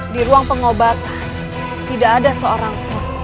di ruang pengobatan tidak ada seorang